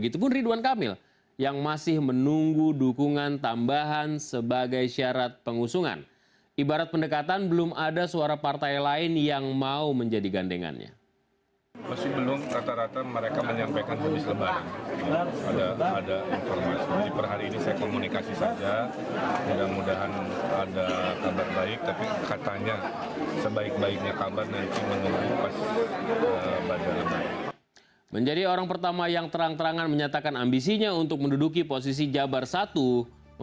terlakukan akan counter cyber porque